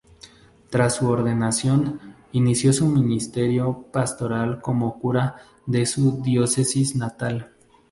Tras su ordenación, inició su ministerio pastoral como cura de su diócesis natal.